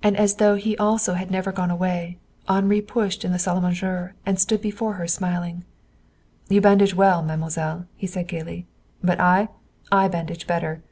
And as though he also had never gone away, Henri pushed into the salle à manger and stood before her smiling. "You bandage well, mademoiselle," he said gayly. "But I? I bandage better!